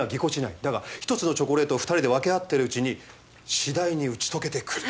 だが一つのチョコレートを２人で分け合ってるうちに次第にうち解けてくる。